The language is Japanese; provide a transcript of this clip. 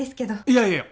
いやいや。